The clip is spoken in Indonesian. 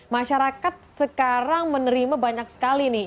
masyarakat sekarang menerima banyak sekali nih